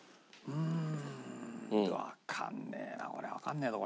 うん。